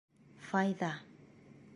Файза